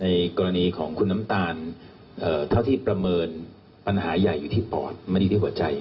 กรณีของคุณน้ำตาลเท่าที่ประเมินปัญหาใหญ่อยู่ที่ปอดไม่ได้ที่หัวใจ